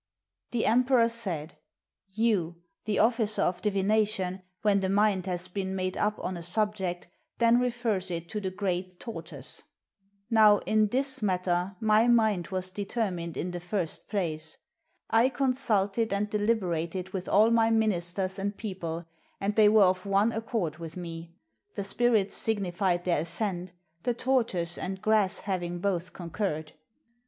The emperor said, " Yu, the officer of divination, when the mind has been made up on a subject, then refers it to the great tortoise. Now, in this matter, my mind was determined in the first place. I consulted and deliberated with all my ministers and people, and they were of one accord with me. The spirits signified their assent, the tortoise and grass hav ing both concurred.